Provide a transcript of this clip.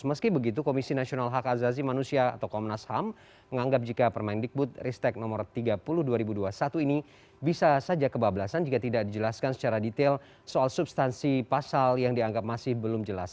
meski begitu komisi nasional hak azazi manusia atau komnas ham menganggap jika permendikbud ristek nomor tiga puluh dua ribu dua puluh satu ini bisa saja kebablasan jika tidak dijelaskan secara detail soal substansi pasal yang dianggap masih belum jelas